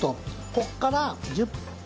ここから１０分。